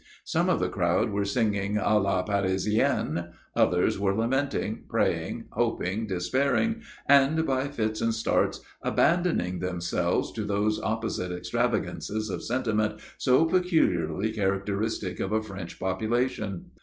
Some of the crowd were singing a la Parisienne, others were lamenting, praying, hoping, despairing, and, by "fits and starts," abandoning themselves to those opposite extravagances of sentiment so peculiarly characteristic of a French population.